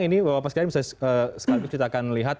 ini bapak ibu sekalian bisa sekali kita akan lihat